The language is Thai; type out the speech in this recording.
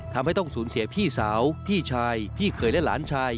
ทำให้ต้องสูญเสียพี่สาวพี่ชายพี่เคยและหลานชาย